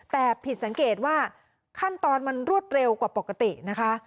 แต่ผิดสังเกตว่าขั้นตอนมันรวดเร็วกว่าปกตินะคะ